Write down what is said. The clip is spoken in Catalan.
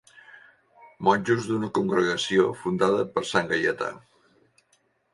Monjos d'una congregació fundada per sant Gaietà.